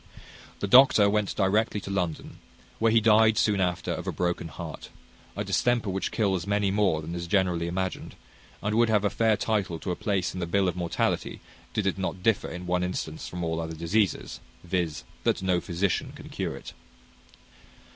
The doctor went directly to London, where he died soon after of a broken heart; a distemper which kills many more than is generally imagined, and would have a fair title to a place in the bill of mortality, did it not differ in one instance from all other diseases viz., that no physician can cure it.